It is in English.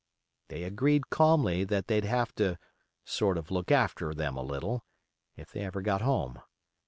They agreed calmly that they'd have to "sort of look after them a little" if they ever got home.